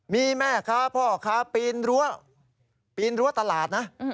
มีแม่ค้าพ่อค้าปีนรั้วตลาดนะ